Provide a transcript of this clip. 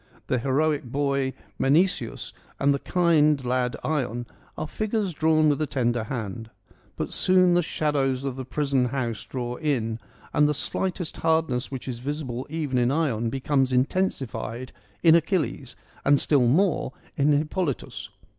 The heroic boy Menceceus and the kind lad Ion are figures drawn with a tender hand. But soon the shadows of the prison house draw in, EURIPIDES 93 and the slight hardness which is visible even in Ion becomes intensified in Achilles, and still more in Hippolytus.